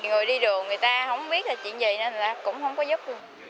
người đi đường người ta không biết là chuyện gì nên là cũng không có giúp